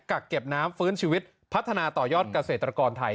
กักเก็บน้ำฟื้นชีวิตพัฒนาต่อยอดเกษตรกรไทย